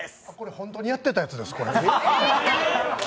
本当に昔やってたやつです。